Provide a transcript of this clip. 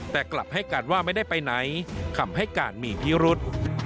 แต่กลับให้การว่าไม่ได้ไปไหนคำให้การมีพิรุษ